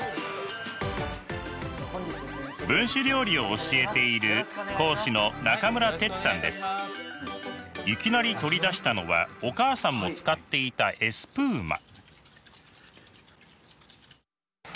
分子料理を教えているいきなり取り出したのはお母さんも使っていたエスプーマ。